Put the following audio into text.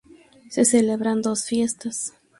Se celebran dos fiestas.